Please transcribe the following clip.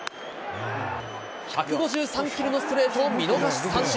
１５３キロのストレートを見逃し三振。